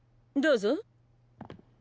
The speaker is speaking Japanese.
どうぞ。